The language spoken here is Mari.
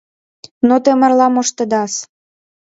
— Но те марла моштедас.